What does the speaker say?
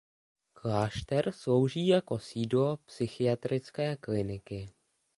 Klášter slouží jako sídlo psychiatrické kliniky.